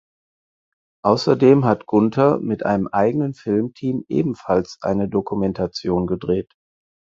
Außerdem hat Gunther mit einem eigenen Filmteam ebenfalls eine Dokumentation gedreht.